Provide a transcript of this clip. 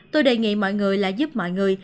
tôi đề nghị mọi người là giúp mọi người